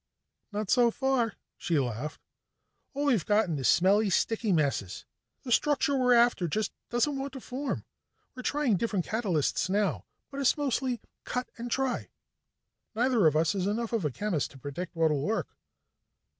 "Not so far," she laughed. "All we've gotten is smelly, sticky messes. The structure we're after just doesn't want to form. We're trying different catalysts now, but it's mostly cut and try; neither of us is enough of a chemist to predict what'll work."